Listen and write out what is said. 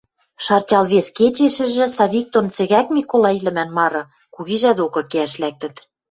Шартял вес кечешӹжӹ Савик дон Цӹгӓк Миколай лӹмӓн мары кугижӓ докы кеӓш лӓктӹт.